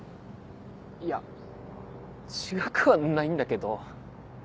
いや違くはないんだけど。